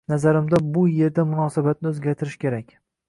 — Nazarimda, bu yerda munosabatni o‘zgartirish kerak.